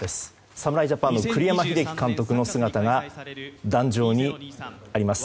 侍ジャパンの栗山英樹監督の姿が壇上にあります。